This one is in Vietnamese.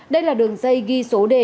đây là đường dây ghi số đề